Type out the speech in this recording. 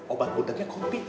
obat bundengnya kopi